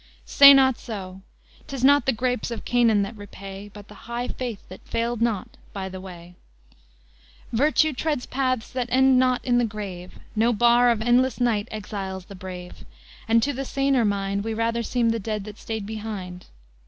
Say not so! 'T is not the grapes of Canaan that repay, But the high faith that failed not by the way; Virtue treads paths that end not in the grave; No bar of endless night exiles the brave; And to the saner mind We rather seem the dead that stayed behind.